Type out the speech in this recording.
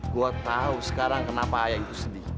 gua mau tau sekarang kenapa ayah itu sedih